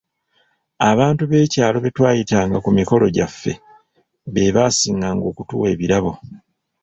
Abantu b’ekyalo be twayitanga ku mikolo gyaffe, be baasinganga okutuwa ebirabo.